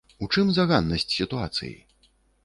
У чым заганнасць сітуацыі?